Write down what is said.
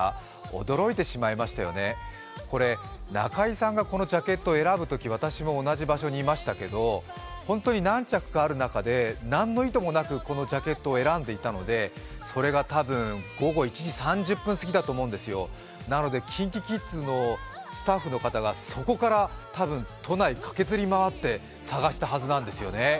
驚いてしまいましたよね、これ中居さんがこのジャケットを選ぶとき、私も同じ場所にいましたけどホントに何着かある中で何の意図もなくこのジャケットを選んでいたのでそれが多分午後１時３０分すぎだと思うんですよなのでＫｉｎＫｉＫｉｄｓのスタッフの方がそこからたぶん都内、駈けずりまわって探したはずなんですよね。